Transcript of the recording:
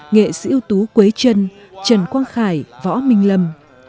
nghệ sĩ ưu tú quế trân trần quang khải võ minh lâm